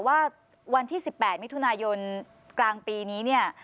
ว่าวันที่๑๘มิถุนายนกลางปีนี้เนี่ย